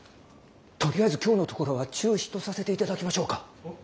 とりあえず今日のところは中止とさせていただきましょうか。